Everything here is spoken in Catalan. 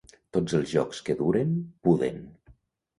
Tots els jocs que duren, puden.